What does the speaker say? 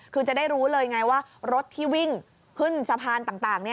คือจะได้รู้เลยไงว่ารถที่วิ่งขึ้นสะพานต่าง